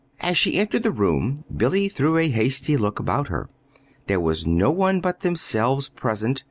As she entered the room, Billy threw a hasty look about her. There was no one but themselves present.